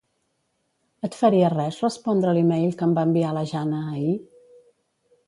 Et faria res respondre l'e-mail que em va enviar la Jana ahir?